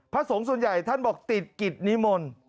พระสงฆ์ส่วนใหญ่ท่านบอกติดกิจนิมนต์